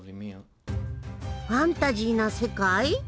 ファンタジーな世界？